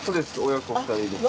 親子２人で。